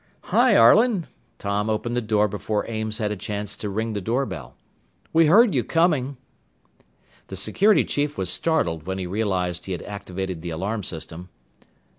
"Hi, Harlan!" Tom opened the door before Ames had a chance to ring the doorbell. "We heard you coming!" The security chief was startled when he realized he had activated the alarm system.